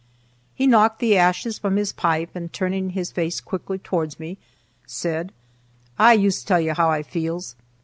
He knocked the ashes from his pipe and, turning his face quickly towards me, said: "I yoost tells you how I feels.